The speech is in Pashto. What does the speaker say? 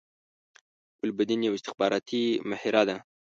ګلبدین یوه استخباراتی مهره ده